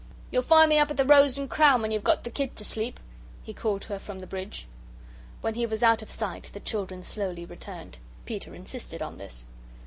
"You'll find me up at the 'Rose and Crown' when you've got the kid to sleep," he called to her from the bridge. When he was out of sight the children slowly returned. Peter insisted on this.